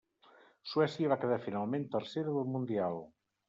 Suècia va quedar finalment tercera del Mundial.